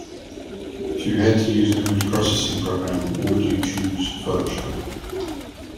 If you had to use an image processing program, would you choose Photoshop?